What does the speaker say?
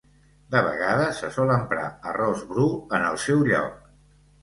De vegades se sol emprar arròs bru en el seu lloc.